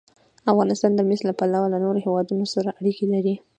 افغانستان د مس له پلوه له نورو هېوادونو سره اړیکې لري.